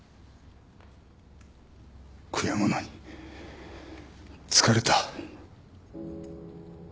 悔やむのに疲れた。